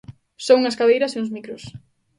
Só unhas cadeiras e uns micros.